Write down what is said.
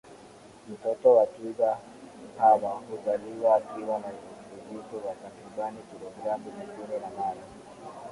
Mtoto wa twiga hawa huzaliwa akiwa na uzito wa takribani kilogramu tisini na mara